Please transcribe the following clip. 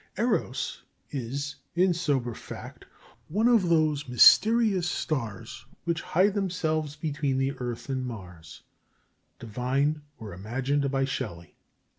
"Eros" is, in sober fact, 'one of those mysterious stars Which hide themselves between the Earth and Mars,' divined or imagined by Shelley.